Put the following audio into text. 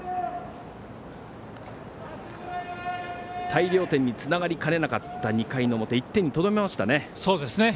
大量点につながりかねなかった２回１点にとどめましたね。